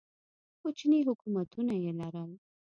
کوچني حکومتونه یې لرل